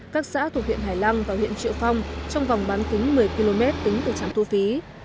các xã thuộc huyện hải lăng và huyện triệu phong trong vòng bán kính một mươi km tính từ trạm thu phí